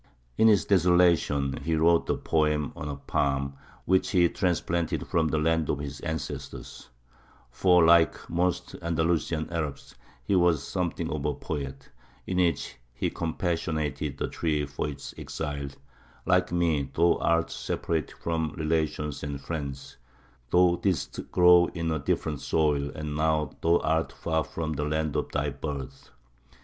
In his desolation he wrote a poem on a palm which he transplanted from the land of his ancestors for, like most Andalusian Arabs, he was something of a poet in which he compassionated the tree for its exile: "Like me, thou art separated from relations and friends; thou didst grow in a different soil, and now thou art far from the land of thy birth."